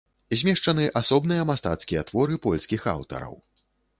Змешчаны асобныя мастацкія творы польскіх аўтараў.